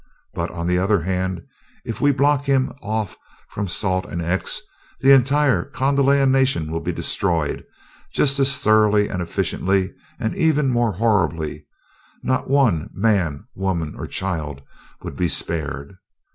But on the other hand, if we block him off from salt and 'X,' the entire Kondalian nation will be destroyed just as thoroughly and efficiently, and even more horribly not one man, woman, or child would be spared.